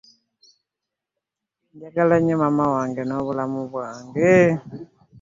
Njagala nnyo maama wange n'obulamu bwange.